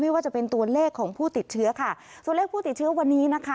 ว่าจะเป็นตัวเลขของผู้ติดเชื้อค่ะตัวเลขผู้ติดเชื้อวันนี้นะคะ